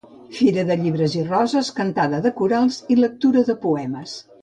Fira de llibres i roses, cantada de corals i lectura de poemes.